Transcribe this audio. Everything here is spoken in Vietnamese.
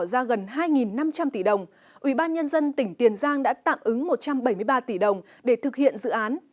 ra gần hai năm trăm linh tỷ đồng ubnd tỉnh tiền giang đã tạm ứng một trăm bảy mươi ba tỷ đồng để thực hiện dự án